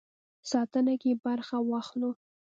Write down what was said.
ساتنه کې برخه واخلو.